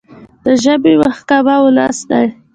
د ژبې محکمه ولس دی.